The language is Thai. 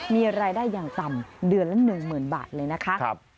มีรายได้อย่างต่ำเดือนละ๑๐๐๐บาทเลยนะคะ